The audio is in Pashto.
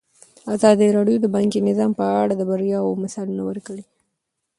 ازادي راډیو د بانکي نظام په اړه د بریاوو مثالونه ورکړي.